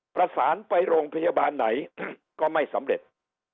ประสานไปโรงพยาบาลไหนก็ไม่สำเร็จ